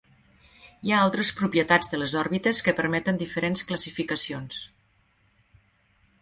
Hi ha altres propietats de les òrbites que permeten diferents classificacions.